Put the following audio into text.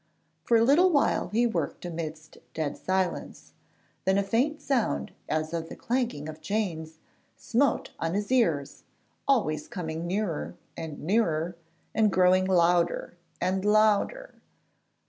For a little while he worked amidst dead silence; then a faint sound as of the clanking of chains smote on his ears, always coming nearer and nearer, and growing louder and louder.